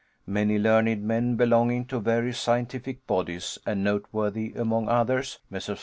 Many learned men belonging to various scientific bodies, and noteworthy among others, Messrs.